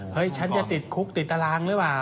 เฮ้ยฉันจะติดคุกติดตารางหรือแบบ